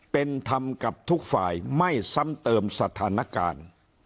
เป็นธรรมกับทุกฝ่ายไม่ซ้ำเติมสถานการณ์